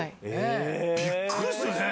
びっくりするね。